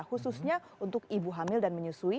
khususnya untuk ibu hamil dan menyusui